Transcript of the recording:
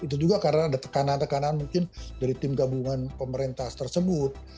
itu juga karena ada tekanan tekanan mungkin dari tim gabungan pemerintah tersebut